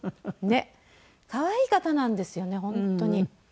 可愛い方なんですよね本当に。